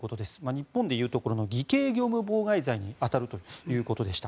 日本でいうところの偽計業務妨害罪に当たるということでした。